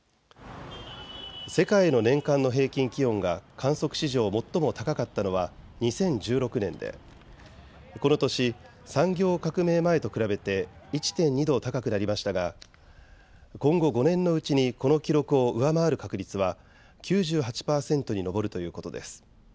世界の年間の平均気温が観測史上最も高かったのは２０１６年でこの年、産業革命前と比べて１．２度高くなりましたが今後５年のうちにこの記録を上回る確率は９８％に上るということです。